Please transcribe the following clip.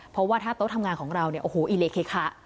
เพราะว่าถ้าโต๊ะทำงานของเราโอ้โฮอีเละเค้ะ